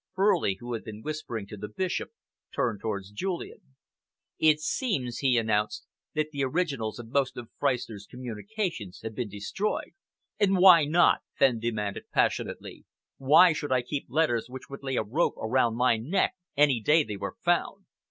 Furley, who had been whispering to the Bishop, turned towards Julian. "It seems," he announced, "that the originals of most of Freistner's communications have been destroyed." "And why not?" Fenn demanded passionately. "Why should I keep letters which would lay a rope around my neck any day they were found?